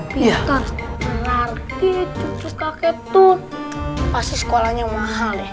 pintar menarik cucu kakek itu pasti sekolahnya mahal ya makanya pintar